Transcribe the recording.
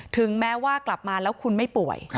ถึงแม้ว่ากลับมาแล้วคุณไม่ป่วย